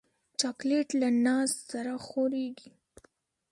چاکلېټ له ناز سره خورېږي.